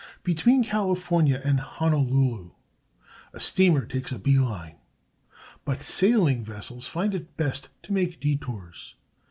Between California and Honolulu a steamer takes a bee line, but sailing vessels find it best to make detours.